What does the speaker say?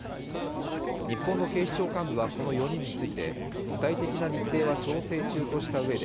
日本の警視庁幹部はこの４人について、具体的な日程は調整中としたうえで、